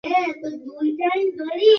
Nizam Uddin, Moulvibazar.